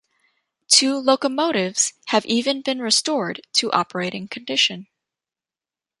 Two locomotives have even been restored to operating condition.